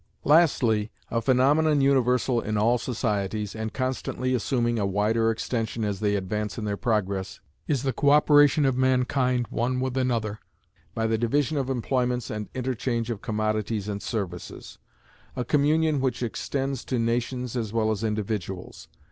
Lastly, a phaenomenon universal in all societies, and constantly assuming a wider extension as they advance in their progress, is the co operation of mankind one with another, by the division of employments and interchange of commodities and services; a communion which extends to nations as well as individuals.